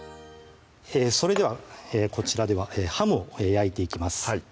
それではこちらではハムを焼いていきます